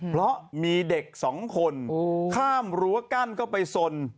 เพราะมีเด็กสองคนข้ามรั้วกั้นเข้าไปสน